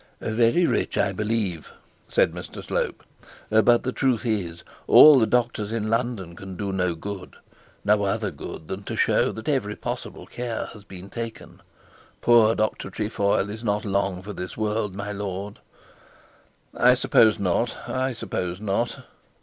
'Very rich, I believe,' said Mr Slope. 'But the truth is, all the doctors in London can do no good; no other good than to show that every possible care has been taken. Poor Dr Trefoil is not long for this world, my lord.' 'I suppose not I suppose not.'